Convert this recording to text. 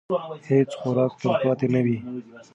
هیڅ خوراک تلپاتې نه وي.